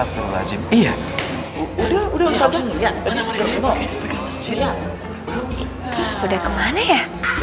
terus udah kemana ya